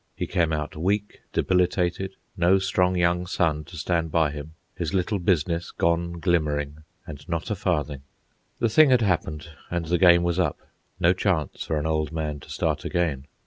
He came out weak, debilitated, no strong young son to stand by him, his little business gone glimmering, and not a farthing. The thing had happened, and the game was up. No chance for an old man to start again.